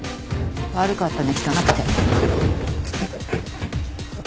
悪かったね汚くて。